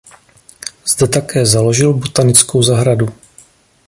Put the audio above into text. Zde také založil botanickou zahradu.